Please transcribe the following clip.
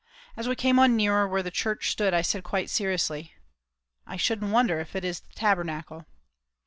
As we came on nearer where the church stood, I said quite seriously: "I shouldn't wonder if it is the Tabernacle."